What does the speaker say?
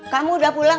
kamu udah pulang